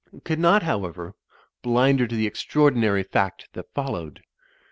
It could not, however, blind her to the extraordinary fact that followed.